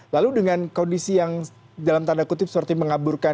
lalu dengan kondisi yang dalam tanda kutip seperti mengaburkan